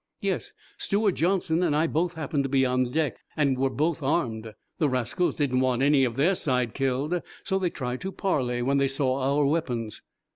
"Yes; Steward Johnson and I both happened to be on deck, and were both armed. The rascals didn't want any of their side killed, so they tried to parley when they saw our weapons."